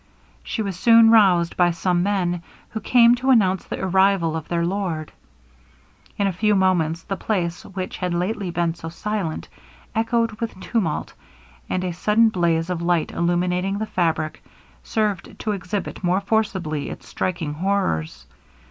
She was soon roused by some men, who came to announce the arrival of their lord. In a few moments the place, which had lately been so silent, echoed with tumult; and a sudden blaze of light illumining the fabric, served to exhibit more forcibly its striking horrors.